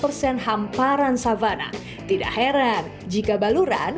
ketika diperlukan kawasan ini akan menjadi tempat untuk menjaga kemampuan